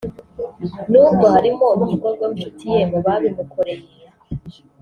n’ubwo harimo n’umukobwa w’inshuti ye mu babimukoreye